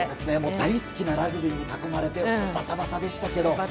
大好きなラグビーに囲まれてバタバタでしたけど。